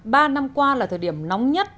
ba năm qua là thời điểm nóng nhất